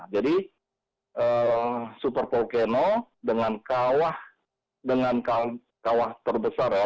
jadi super volcano dengan kawah terbesar ya